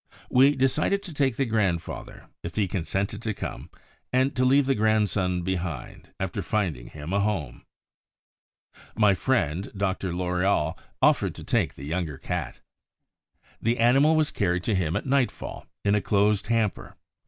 We decided to take the grandfather, if he consented to come, and to leave the grandson behind, after finding him a home. My friend Dr. Loriol offered to take the younger cat. The animal was carried to him at nightfall in a closed hamper.